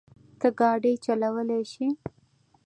ته ګاډی چلولی شې؟